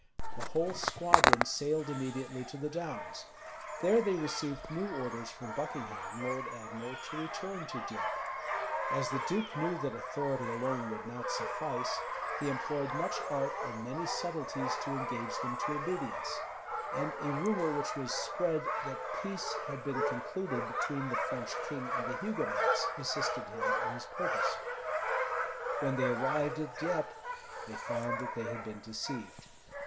The whole squadron sailed immediately to the Downs. There they received new orders from Buckingham, lord admiral, to return to Dieppe. As the duke knew that authority alone would not suffice, he employed much art and many subtleties to engage them to obedience; and a rumor which was spread, that peace had been concluded between the French king and the Hugonots, assisted him in his purpose. When they arrived at Dieppe, they found that they had been deceived.